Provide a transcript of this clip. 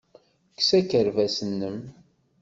Kkes akerbas-nnem.